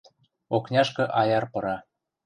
Окняшкы аяр пыра.